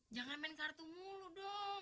jangan main kartu mulu dong